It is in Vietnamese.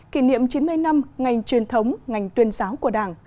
kỷ niệm chín mươi năm ngành truyền thống ngành tuyên giáo của đảng